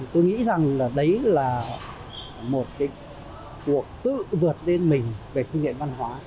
tôi nghĩ rằng đấy là một cuộc tự vượt lên mình về phương diện văn hóa